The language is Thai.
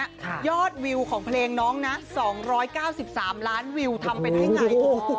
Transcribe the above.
ยอดวิวของเพลงน้องนะ๒๙๓ล้านวิวทำไปได้ไง